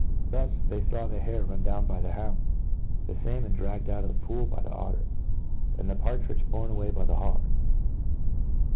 Thu«, they idw the hare run down by the hound ;— ^thc falmon dragged out' of the pool by the otter ;— and the partridge born away by the hawk.